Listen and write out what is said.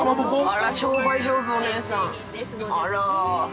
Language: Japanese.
◆あら、商売上手、お姉さん。